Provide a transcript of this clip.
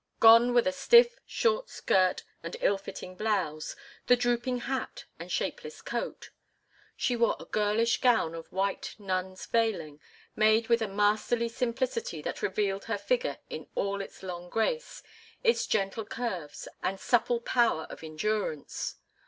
Gone were the stiff, short skirt and ill fitting blouse, the drooping hat and shapeless coat. She wore a girlish gown of white nun's veiling, made with a masterly simplicity that revealed her figure in all its long grace, its gentle curves, and supple power of endurance.